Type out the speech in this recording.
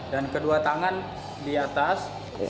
dan kedua tangan di atas